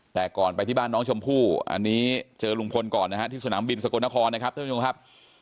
แต่ก่อนไปที่บ้านน้องชมพู่อันนี้เจอลุงพลก่อนนะฮะที่สนามบินสกลนครนะครับท่านผู้ชมครับ